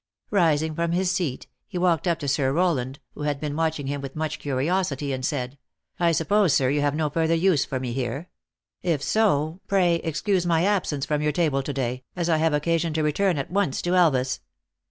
.Rising from his seat, THE ACTRESS IN HIGH LIFE. 885 he walked up to Sir Rowland, who had been watch ing him with much curiosity, and said :" I suppose, sir, you have no further use for me here. If so, pray excuse my absence from your table to day, as I have occasion to return at once to Elvas."